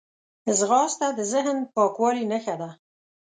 ځغاسته د ذهن پاکوالي نښه ده